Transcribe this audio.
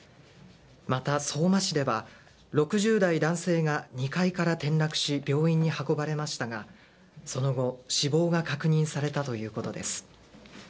また相馬市では、６０代男性が２階から転落し病院に運ばれましたがその後、死亡が確認されたということです。